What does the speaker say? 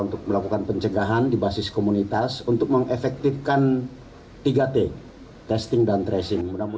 untuk melakukan pencegahan di basis komunitas untuk mengefektifkan tiga t testing dan tracing